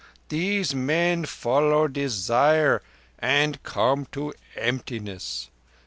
These men follow desire and come to emptiness.